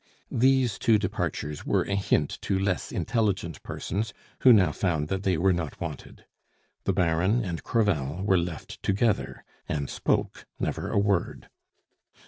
These two departures were a hint to less intelligent persons, who now found that they were not wanted. The Baron and Crevel were left together, and spoke never a word.